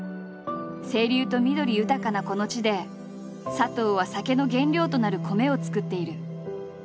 清流と緑豊かなこの地で佐藤は酒の原料となる米を作っている。